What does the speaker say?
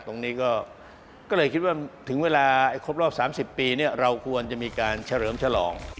ตรงนี้ก็เลยคิดว่าถึงเวลาครบรอบ๓๐ปีเราควรจะมีการเฉลิมฉลอง